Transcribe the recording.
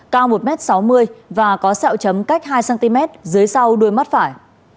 cao một m sáu mươi và có sẹo chấm cách hai cm dưới sau đuôi mắt phải